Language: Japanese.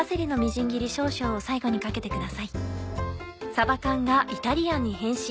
さば缶がイタリアンに変身。